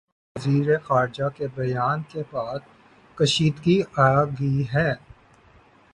پاکستان کے وزیر خارجہ کے بیان کے بعد کشیدگی آگئی ہے